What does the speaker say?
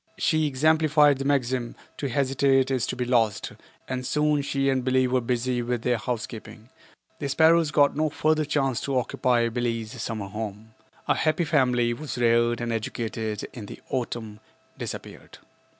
She exemplified the maxim, "To hesitate is to be lost," and soon she and Billie were busy with their housekeeping. The sparrows got no further chance to occupy Billie's summer home. A happy family was reared and educated and in the autumn disappeared.